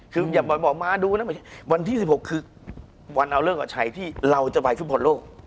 คืออย่าบอกมาดูนะวันที่สิบหกคือวันเอาเรื่องกับชัยที่เราจะไปฟุตบอลโลก